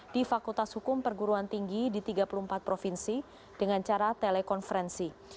di fakultas hukum perguruan tinggi di tiga puluh empat provinsi dengan cara telekonferensi